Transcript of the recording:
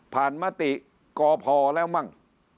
ผ่านมติก่อพอแล้วมั่ง